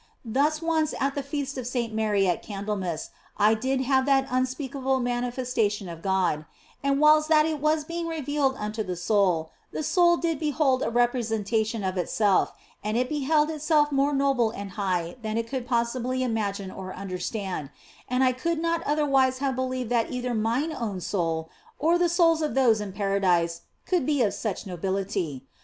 Thus once at the Feast of Saint Mary at Candlemas I did have that unspeakable manifestation of God, and whiles that it was being revealed unto the soul, the soul did behold a representation of itself ; and it beheld itself more noble and high than it could possibly imagine or understand, and I could not otherwise have believed that either mine own soul or the souls of those in Paradise could be of such nobility.